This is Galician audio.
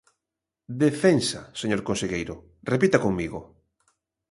Defensa, señor conselleiro, repita comigo.